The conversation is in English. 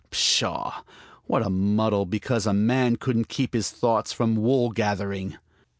Pshaw! what a muddle because a man couldn't keep his thoughts from wool gathering!